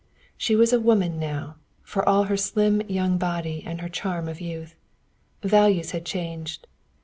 She was a woman now, for all her slim young body and her charm of youth. Values had changed.